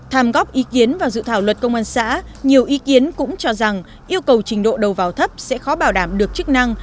tham góp ý kiến vào dự thảo luật công an xã nhiều ý kiến cũng cho rằng yêu cầu trình độ đầu vào thấp sẽ khó bảo đảm được chức năng